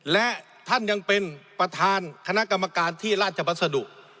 และท่านยังเป็นประธานคณะกรรมการที่ราชบัสดุ